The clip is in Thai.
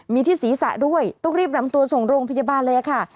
มีที่ศีรษะด้วยต้องรีบนำตัวส่งโรงพยาบาลเลยค่ะ